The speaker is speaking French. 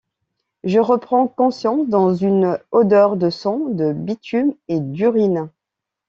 Je reprends conscience dans une odeur de sang, de bitume et d’urine.